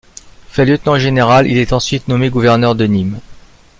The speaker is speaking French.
Fait lieutenant-général, il est ensuite nommé gouverneur de Nîmes.